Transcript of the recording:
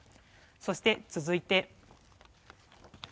そして、続いて。